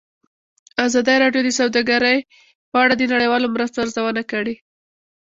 ازادي راډیو د سوداګري په اړه د نړیوالو مرستو ارزونه کړې.